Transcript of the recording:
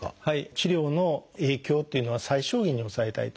治療の影響っていうのは最小限に抑えたいと。